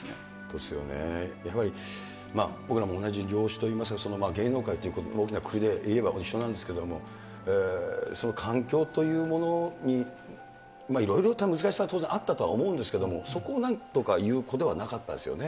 ですよね、やっぱり僕らも同じ業種といいますか、芸能界という大きなくくりでいえば、一緒なんですけれども、その環境というものにいろいろと難しさは当然あったと思うんですけれども、そこをなんとか言う子ではなかったですよね。